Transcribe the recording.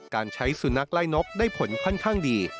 การใช้สุนัขไล่นกได้ผลค่อนข้างดี